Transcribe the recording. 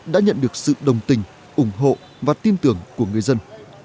đã nhận được sự đồng tình ủng hộ và tin tưởng của người dân